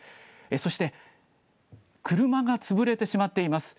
そして車が潰れてしまっています。